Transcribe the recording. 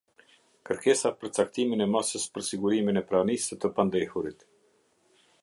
Kërkesa për caktimin e masës për sigurimin e pranisë së të pandehurit.